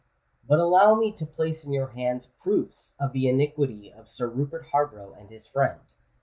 "But allow me to place in your hands proofs of the iniquity of Sir Rupert Harborough and his friend.